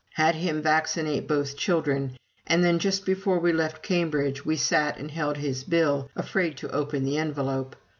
had him vaccinate both children; and then, just before we left Cambridge, we sat and held his bill, afraid to open the envelope.